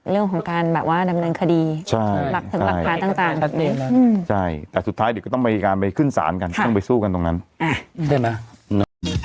เรื่องของการแบบว่าดำเนินคดีหลักฐานต่างแบบนี้นะใช่แต่สุดท้ายเดี๋ยวก็ต้องมีการไปขึ้นศาลกันต้องไปสู้กันตรงนั้นใช่ไหม